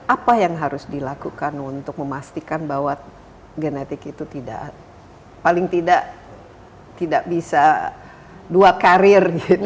apa yang harus dilakukan untuk memastikan bahwa genetik itu tidak paling tidak tidak bisa dua karir